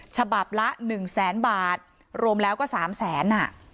ฉบับละ๑แสนบาทรวมแล้วก็๓แสน